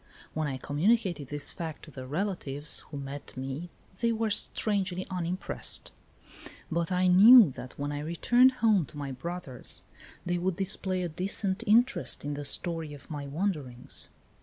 When I communicated this fact to the relatives who met me they were strangely unimpressed ; but I knew that when I returned home to my brothers they would display a decent interest in the story of my wanderings.